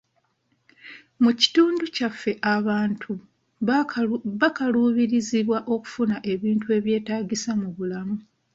Mu kitundu kyaffe abantu bakaluubirizibwa okufuna ebintu ebyetaagisa mu bulamu.